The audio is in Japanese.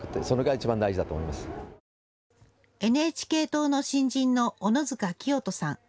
ＮＨＫ党の新人の小野塚清仁さん。